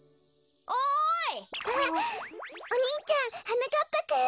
お兄ちゃんはなかっぱくん！